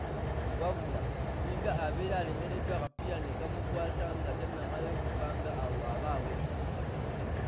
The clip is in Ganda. Wabula, singa abeera alemereddwa akapiira ne kamukwasa nga tannamalayo kupanga awo aba awedde.